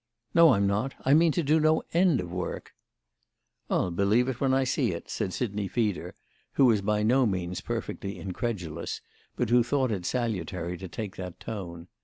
"No, I'm not. I mean to do no end of work." "I'll believe that when I see it," said Sidney Feeder, who was by no means perfectly incredulous, but who thought it salutary to take that tone.